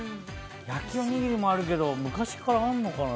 焼きおにぎりもあるけど昔からあるのかな。